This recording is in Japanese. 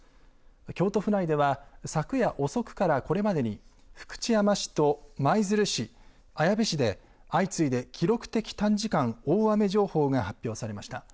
京都府内では昨夜遅くからこれまでに福知山市と舞鶴市綾部市で相次いで記録的短時間大雨情報が発表されました。